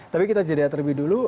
tapi kita jeda terlebih dulu